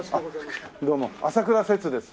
どうも朝倉摂です。